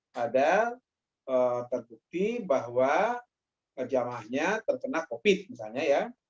sudah terbukti bahwa kerjamahnya terkena covid misalnya ya